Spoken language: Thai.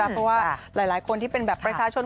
เพราะว่าหลายคนที่เป็นแบบประชาชน